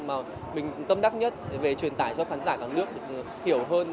mà mình tâm đắc nhất để về truyền tải cho khán giả cả nước được hiểu hơn